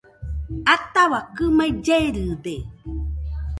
Ataua kɨmaɨ llerɨde